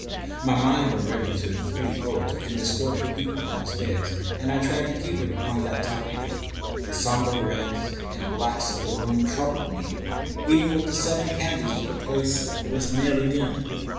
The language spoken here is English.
My mind reverted to the three old and distorted people downstairs, and I tried to keep it upon that topic. The sombre reds and grays of the room troubled me; even with its seven candles the place was merely dim.